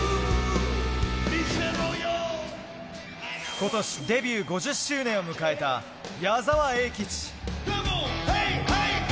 ことしデビュー５０周年を迎えた矢沢永吉。